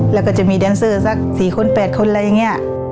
แล้วก็จะมีแดนเซอร์สัก๔คน๘คนอะไรอย่างนี้